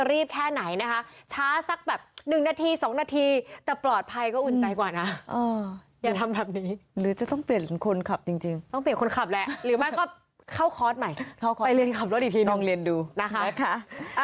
แค่ไหนนะคะช้าสักแบบหนึ่งนาที๒นาทีแต่ปลอดภัยก็อุ่นใจกว่านะอย่าทำแบบนี้หรือจะต้องเปลี่ยนคนขับจริงต้องเปลี่ยนคนขับแหละหรือไม่ก็เข้าคอร์สใหม่ไปเรียนขับรถอีกทีลองเรียนดูนะคะ